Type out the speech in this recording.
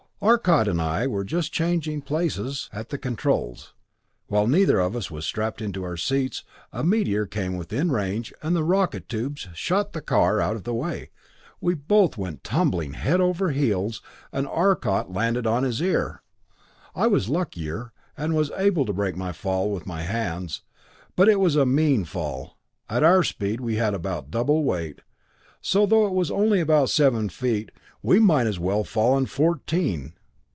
Arcot and I were just changing places at the controls. While neither of us was strapped into our seats, a meteor came within range and the rocket tubes shot the car out of the way. We both went tumbling head over heels and Arcot landed on his ear. I was luckier, and was able to break my fall with my hands, but it was a mean fall at our speed we had about double weight, so, though it was only about seven feet, we might as well have fallen fourteen.